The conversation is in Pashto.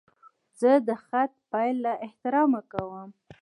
زه د خط پیل له احترامه کوم.